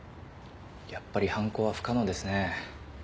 やっぱり犯行は不可能ですねぇ。